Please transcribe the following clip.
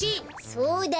そうだよ